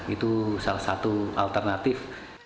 itu salah satu alternatif